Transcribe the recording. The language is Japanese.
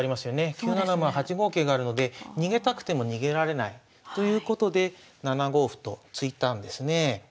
９七馬８五桂があるので逃げたくても逃げられないということで７五歩と突いたんですね。